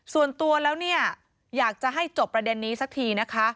ส่วนตัวแล้วเนี่ยอยากจะให้จบประเด็นนี้สักทีนะคะ